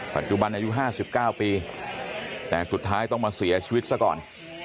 ปัจจุบันอายุ๕๙ปีแต่สุดท้ายต้องมาเสียชีวิตซะก่อน